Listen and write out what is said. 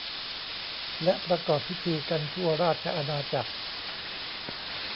และประกอบพิธีกันทั่วราชอาณาจักร